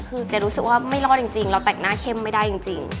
คือเจ๊รู้สึกว่าไม่รอดจริงเราแต่งหน้าเข้มไม่ได้จริง